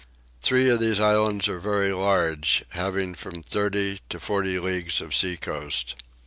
Three of these islands are very large, having from 30 to 40 leagues of sea coast.